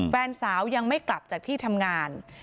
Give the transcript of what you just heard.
แฟนสาวยังไม่กลับจากที่ทำงาน